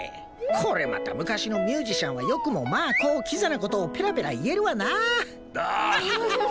これまた昔のミュージシャンはよくもまあこうキザな事をペラペラ言えるわなあ。